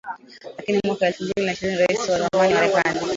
Lakini mwaka elfu mbili na ishirini Raisi wa zamani Marekani